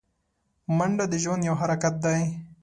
منډه د ژوند یو حرکت دی